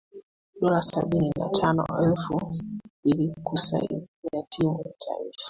dola sabini na tano alfu ilikusaidia timu ya taifa